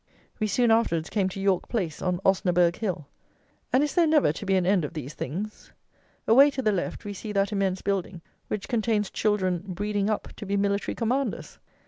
We soon afterwards came to "York Place" on "Osnaburg Hill." And is there never to be an end of these things? Away to the left, we see that immense building, which contains children breeding up to be military commanders!